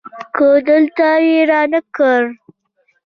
که دلته يي رانه کړ